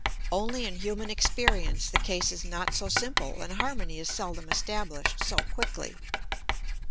Only in human experience the case is not so simple and harmony is seldom established so quickly.